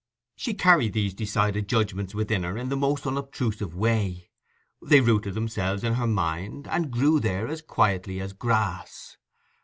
She carried these decided judgments within her in the most unobtrusive way: they rooted themselves in her mind, and grew there as quietly as grass.